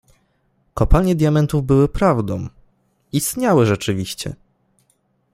— Kopalnie diamentów były prawdą… istniały rzeczywiście!